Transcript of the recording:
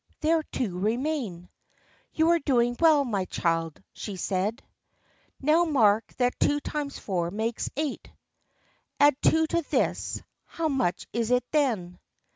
"There two remain." "You are doing well, my child," she said. "Now mark that two times four makes eight: Add two to this, how much is it, then?"